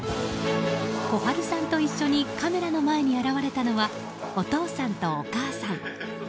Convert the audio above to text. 心治さんと一緒にカメラの前に現れたのはお父さんとお母さん。